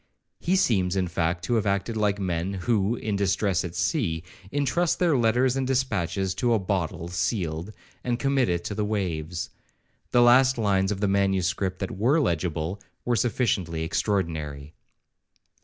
He seems, in fact, to have acted like men, who, in distress at sea, intrust their letters and dispatches to a bottle sealed, and commit it to the waves. The last lines of the manuscript that were legible, were sufficiently extraordinary.